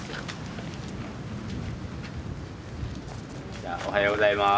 じゃあおはようございます。